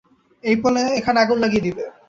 এই পোলা এখানে আগুন লাগিয়ে দেবে।